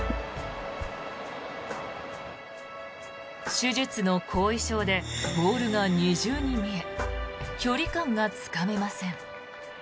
手術の後遺症でボールが二重に見え距離感がつかめません。